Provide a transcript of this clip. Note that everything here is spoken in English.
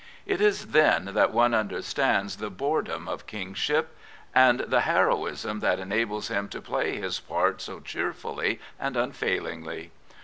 It is then that one under stands the boredom of Kingship, and the heroism that enables him to play his part so cheerfully and unfailingly.